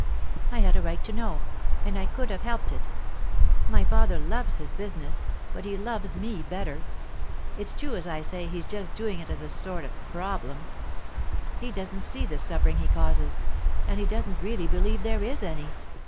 I had a right to know, and I could have helped it. My father loves his business, but he loves me better. It's true, as I say, he's just doing it as a sort of problem. He doesn't see the suffering he causes, and he doesn't really believe there is any.